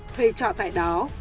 thuê trọ tại đó